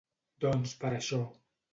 Doncs per això.